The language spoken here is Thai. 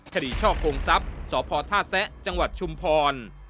ช่อกงทรัพย์สพท่าแซะจังหวัดชุมพร